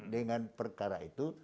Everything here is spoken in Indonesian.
dengan perkara itu